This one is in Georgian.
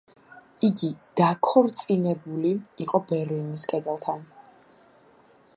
იგი „დაქორწინებული“ იყო ბერლინის კედელთან.